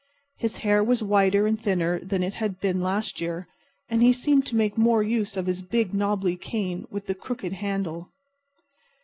His hair was whiter and thinner than it had been last year, and he seemed to make more use of his big, knobby cane with the crooked handle.